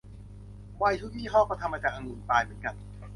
ไวน์ทุกยี่ห้อก็ทำมาจากองุ่นตายเหมือนกัน